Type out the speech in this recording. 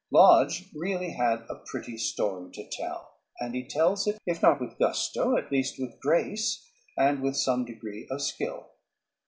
Lodge really had a pretty story to tell, and he tells it, if not with gusto, at least with grace and with some degree of skill.